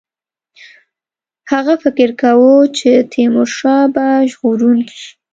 هغه فکر کاوه چې تیمورشاه به ژغورونکی شي.